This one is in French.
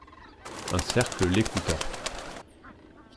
Un cercle l'écouta.